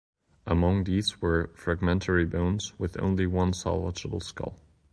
Among these were fragmentary bones with only one salvageable skull.